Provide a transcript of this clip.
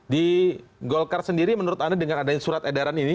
di golkar sendiri menurut anda dengan adanya surat edaran ini